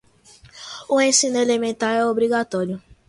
O ensino elementar é obrigatório.